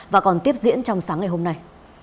và còn tiếp diễn trong sáng ngày hôm nay